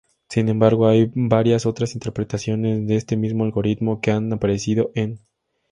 Sin embargo, hay varias otras interpretaciones de este mismo algoritmo que han aparecido en.